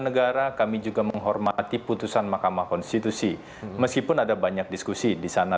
negara kami juga menghormati putusan mahkamah konstitusi meskipun ada banyak diskusi di sana